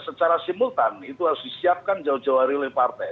secara simultan itu harus disiapkan jauh jauh hari oleh partai